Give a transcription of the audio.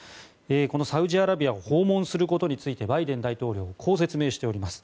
このサウジアラビアを訪問することについてバイデン大統領はこう説明しております。